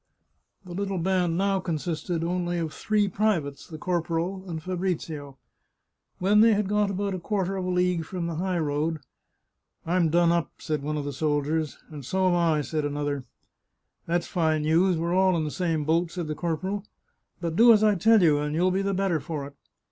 The little band now only consisted of three privates, 57 The Chartreuse of Parma the corporal, and Fabrizio. When they had got about a quarter of a league from the high road —" I'm done up !" said one of the soldiers. " And so am I," said another. " That's fine news ! We're all in the same boat," said the corporal. " But do as I tell you, and you'll be the better for it."